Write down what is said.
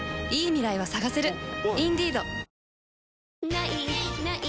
「ない！ない！